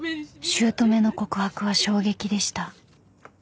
［姑の告白は衝撃でした］